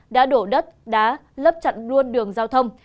đã đổ đất đá lấp chặn luôn đường giao thông